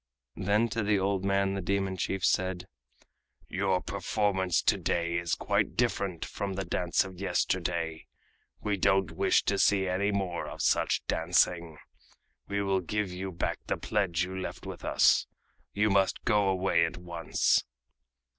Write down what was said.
Then to the old man the demon chief said: "Your performance to day is quite different from the dance of yesterday. We don't wish to see any more of such dancing. We will give you back the pledge you left with us. You must go away at once."